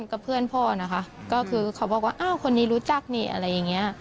กับเพื่อนพ่อนะคะก็คือเขาบอกว่าอ้าวคนนี้รู้จักนี่อะไรอย่างเงี้ย